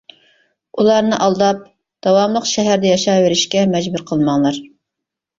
ئۇلارنى ئالداپ، داۋاملىق شەھەردە ياشاۋېرىشكە مەجبۇر قىلماڭلار!